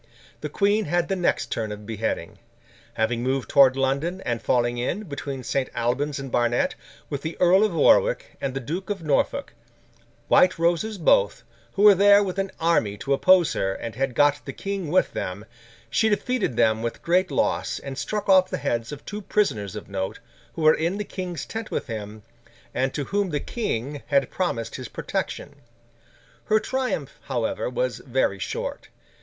The Queen had the next turn of beheading. Having moved towards London, and falling in, between St. Alban's and Barnet, with the Earl of Warwick and the Duke of Norfolk, White Roses both, who were there with an army to oppose her, and had got the King with them; she defeated them with great loss, and struck off the heads of two prisoners of note, who were in the King's tent with him, and to whom the King had promised his protection. Her triumph, however, was very short.